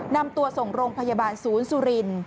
นำตัวส่งโรงพยาบาลศูนย์สุรินทร์